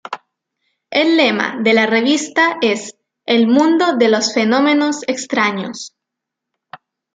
El lema de la revista es "El mundo de los fenómenos extraños".